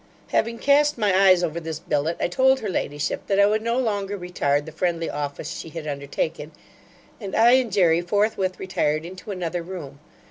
Having cast my eyes over this billet, I told her ladyship, that I would no longer retard the friendly office she had undertaken: and I and Jery forthwith retired into another room.